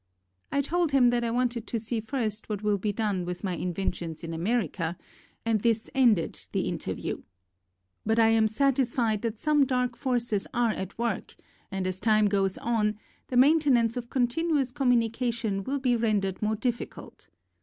I told him that I wanted to see first what will be done with my in ventions in America, and this ended the dark forces are at work, and as time goes on the maintenance of continuous com munication will be rendered more difficult.